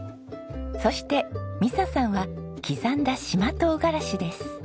そして美砂さんは刻んだ島トウガラシです。